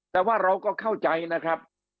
แต่ว่าเราก็เข้าใจนะครับ